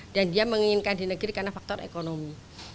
dan dia menginginkan di negeri karena faktor ekonomi